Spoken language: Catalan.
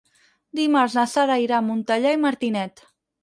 Dimarts na Sara irà a Montellà i Martinet.